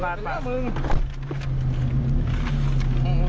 จำดีเดี๋ยวกูไปเลี้ยงเอง